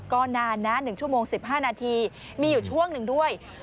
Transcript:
ก็นานนะ๑ชั่วโมง๑๕นาทีมีอยู่ช่วงหนึ่งด้วย